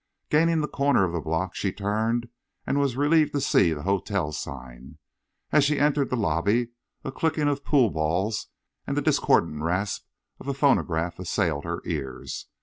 Gaining the corner of the block, she turned, and was relieved to see the hotel sign. As she entered the lobby a clicking of pool balls and the discordant rasp of a phonograph assailed her ears.